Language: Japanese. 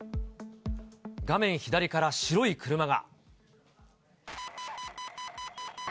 画面左から白い車が。